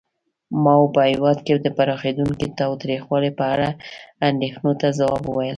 ماوو په هېواد کې د پراخېدونکي تاوتریخوالي په اړه اندېښنو ته ځواب وویل.